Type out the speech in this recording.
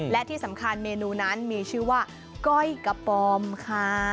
และที่สำคัญเมนูนั้นมีชื่อว่าก้อยกระป๋อมค่ะ